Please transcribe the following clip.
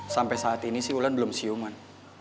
sampai saat ini sih wulan belum siuman